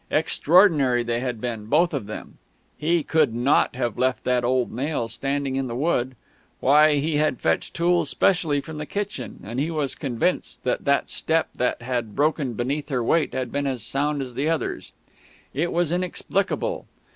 Extraordinary they had been, both of them. He could not have left that old nail standing in the wood; why, he had fetched tools specially from the kitchen; and he was convinced that that step that had broken beneath her weight had been as sound as the others. It was inexplicable.